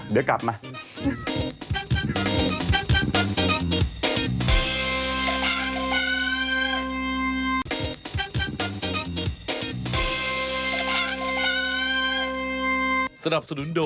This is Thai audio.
เดี๋ยวกลับมา